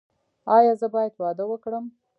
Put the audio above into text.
ایا زه باید واده وکړم؟